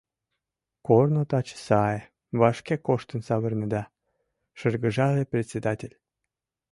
— Корно таче сае, вашке коштын савырнеда, — шыргыжале председатель.